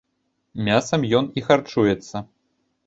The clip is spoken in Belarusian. Мясам ён і харчуецца.